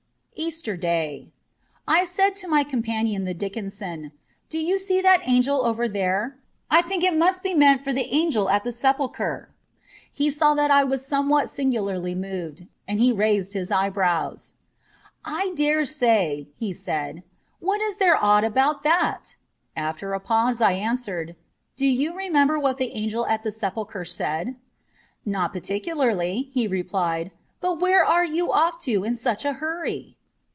415 EASTER DAY I SAID to my companion the Dickensian, * Do you see that angel over there ? I think it must be meant for the Angel at the Sepulchre.' He saw that I was somewhat singularly moved, and he raised his eyebrows. 'I daresay,' he said. 'What is there odd about that ?' After a pause I answered, * Do you remember what the Angel at the Sepulchre said ?'' Not particularly,' he replied ;' but where are you off to in such a hurry